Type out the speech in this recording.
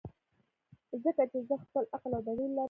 ځکه چې زۀ خپل عقل او دليل لرم -